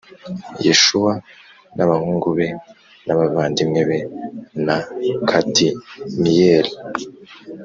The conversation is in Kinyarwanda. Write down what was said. Yeshuwa n abahungu be n abavandimwe be na Kadimiyeli